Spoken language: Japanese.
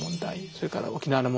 それから沖縄の問題